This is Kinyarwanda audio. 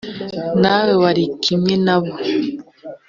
nawe wari kimwe na bo